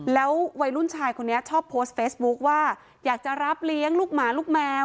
แล้ววัยรุ่นชายคนนี้ชอบโพสต์เฟซบุ๊คว่าอยากจะรับเลี้ยงลูกหมาลูกแมว